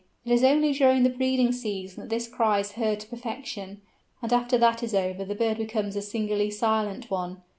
It is only during the breeding season that this cry is heard to perfection, and after that is over the bird becomes a singularly silent one.